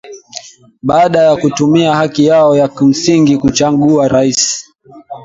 baada ya kutumia haki yao ya kimsingi kuchagua raisi